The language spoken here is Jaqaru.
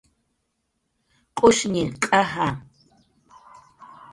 Q'ushñi, q'aja